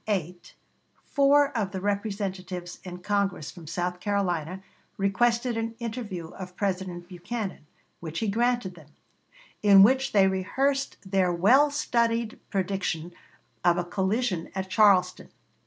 Vol. I., p. 116. On Saturday, December 8, four of the Representatives in Congress from South Carolina requested an interview of President Buchanan, which he granted them, in which they rehearsed their well studied prediction of a collision at Charleston.